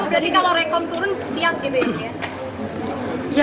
jadi kalau rekom turun siap gitu ya